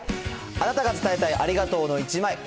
あなたが伝えたいありがとうの１枚。